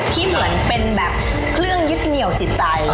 ที่เหมือนเป็นแบบเครื่องยึดเหนียวจิตใจ